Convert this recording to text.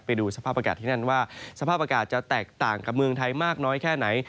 ไปดูสภาพอากาศที่นั่นว่าสภาพอากาศจะแตกต่างกับเมืองไทยมากน้อยแค่ไหน